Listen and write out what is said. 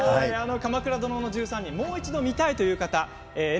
「鎌倉殿の１３人」もう一度見たいという方